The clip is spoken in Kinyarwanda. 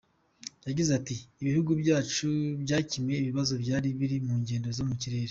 Yagize ati “Ibihugu byacu byakemuye ibibazo byari biri mu ngendo zo mu kirere.